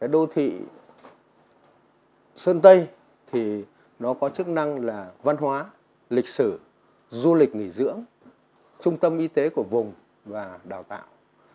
đô thị sơn tây thì nó có chức năng là văn hóa lịch sử du lịch nghỉ dưỡng trung tâm y tế của vùng và đào tạo